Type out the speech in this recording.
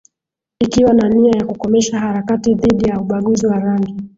Ikiwa na nia ya kukomesha harakati dhidi ya ubaguzi wa rangi